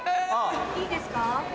いいですか？